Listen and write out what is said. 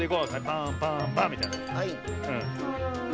パンパンパンみたいな。